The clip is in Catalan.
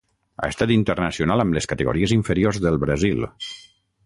Ha estat internacional amb les categories inferiors del Brasil.